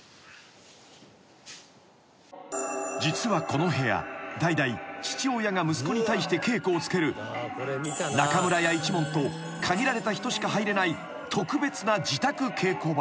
［実はこの部屋代々父親が息子に対して稽古をつける中村屋一門と限られた人しか入れない特別な自宅稽古場］